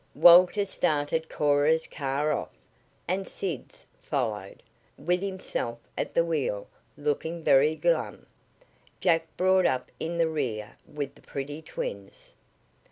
Walter started Cora's car off, and Sid's followed, with himself at the wheel, looking very glum. Jack brought up in the rear with the pretty twins.